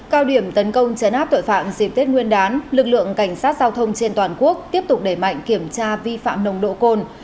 cao điểm tấn công chấn áp tội phạm dịp tết nguyên đán lực lượng cảnh sát giao thông trên toàn quốc tiếp tục đẩy mạnh kiểm tra vi phạm nồng độ cồn